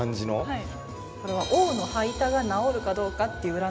はい。